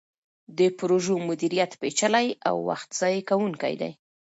د پروژو مدیریت پیچلی او وخت ضایع کوونکی دی.